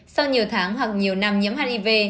sau nhiều tháng hoặc nhiều năm nhiễm hiv